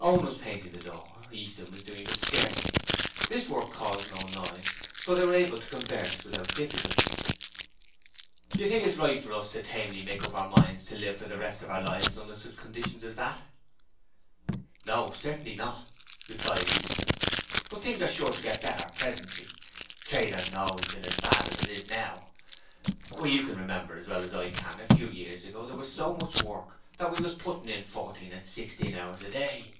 Owen was painting the door; Easton was doing the skirting. This work caused no noise, so they were able to converse without difficulty. 'Do you think it's right for us to tamely make up our minds to live for the rest of our lives under such conditions as that?' 'No; certainly not,' replied Easton; 'but things are sure to get better presently. Trade hasn't always been as bad as it is now. Why, you can remember as well as I can a few years ago there was so much work that we was putting in fourteen and sixteen hours a day.